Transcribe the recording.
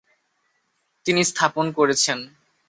তিনি স্থাপন করেছেন।